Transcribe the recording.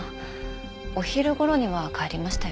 お昼頃には帰りましたよ。